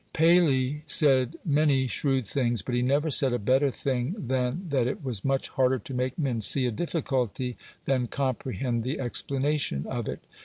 Paley said many shrewd things, but he never said a better thing than that it was much harder to make men see a difficulty than comprehend the explanation of it.